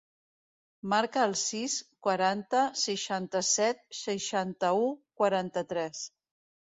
Marca el sis, quaranta, seixanta-set, seixanta-u, quaranta-tres.